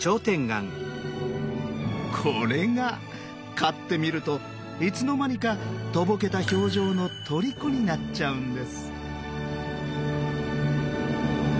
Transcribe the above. これが飼ってみるといつのまにかとぼけた表情のとりこになっちゃうんです。